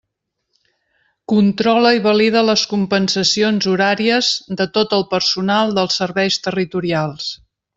Controla i valida les compensacions horàries de tot el personal dels Serveis Territorials.